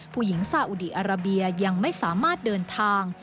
ผู้หญิงซาอุดีอาราเบียยังไม่สามารถเดินทาง